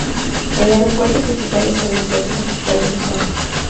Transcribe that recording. El aeropuerto principal es el Aeropuerto Municipal de Los Baños.